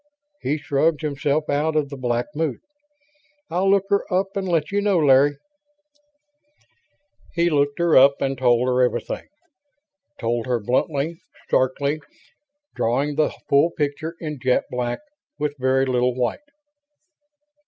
He shrugged himself out of the black mood. "I'll look her up and let you know, Larry." He looked her up and told her everything. Told her bluntly; starkly; drawing the full picture in jet black, with very little white.